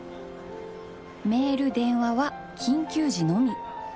メール電話は緊急時のみ。